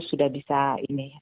sudah bisa ini